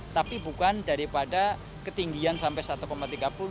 tapi bukan daripada ketinggian sampai satu tiga puluh